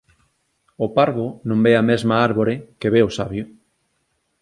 O parvo non ve a mesma árbore que ve o sabio.